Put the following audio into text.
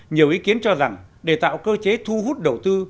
nhiều ý kiến cho rằng để tạo cơ chế thu hút đầu tư